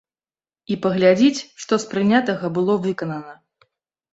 І паглядзіць, што з прынятага было выканана.